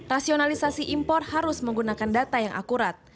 rasionalisasi impor harus menggunakan data yang akurat